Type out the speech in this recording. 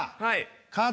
はい。